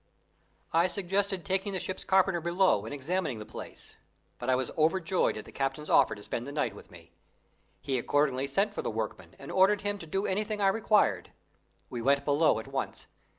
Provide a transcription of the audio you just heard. I suggested taking the ship's carpenter below and examining the place; but I was overjoyed at the captain's offer to spend the night with me. He accordingly sent for the workman and ordered him to do anything I required. We went below at once.